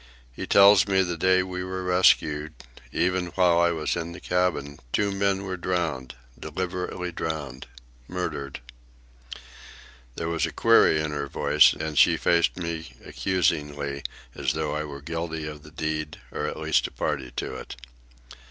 He tells me that the day we were rescued, even while I was in the cabin, two men were drowned, deliberately drowned—murdered." There was a query in her voice, and she faced me accusingly, as though I were guilty of the deed, or at least a party to it.